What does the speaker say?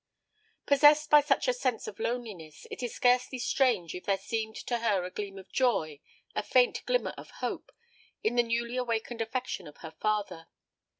Possessed by such a sense of loneliness, it is scarcely strange if there seemed to her a gleam of joy, a faint glimmer of hope, in the newly awakened affection of her father.